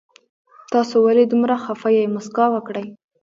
تاسو ولې دومره خفه يي مسکا وکړئ